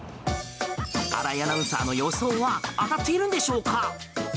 荒井アナウンサーの予想は当たっているんでしょうか？